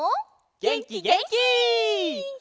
げんきげんき！